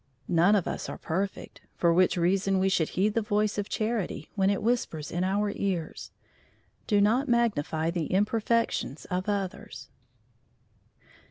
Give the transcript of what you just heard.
None of us are perfect, for which reason we should heed the voice of charity when it whispers in our ears, "Do not magnify the imperfections of others."